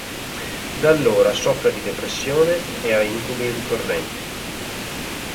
Da allora soffre di depressione e ha incubi ricorrenti.